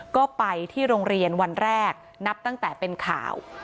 ก็ไปที่โรงเรียนวันแรกนับตั้งแต่เป็นข่าว